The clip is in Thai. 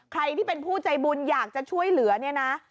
ใครที่เป็นผู้ใจบุญอยากจะช่วยเหลือเนี่ยนะ